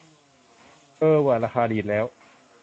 เออว่ะ ราคาดีดแล้ว